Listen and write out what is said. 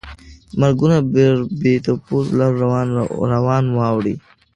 مرګونه پر بې تپوسو لارو روان واوړي.